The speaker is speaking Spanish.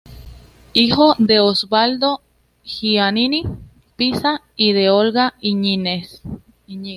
Hijo de Osvaldo Giannini Piza y de Olga Iñiguez.